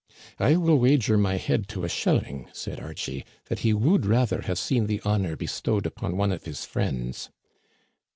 " I will wager my head to a shilling," said Archie, "that he would rather have seen the honor bestowed upon one of his friends."